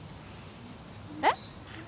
えっ？